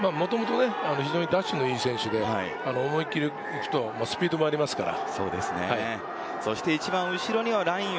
もともと非常にダッシュのいい選手で、思いっきり行くとスピードもありますから。